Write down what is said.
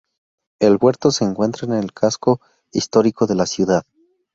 El Huerto se encuentra en el casco histórico de la ciudad.